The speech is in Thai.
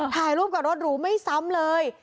ถ่ายรูปกับรถหรูไม่ซ้ำเลย